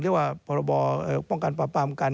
เรียกว่าปปปป